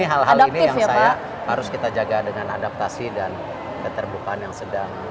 hal hal ini yang saya harus kita jaga dengan adaptasi dan keterbukaan yang sedang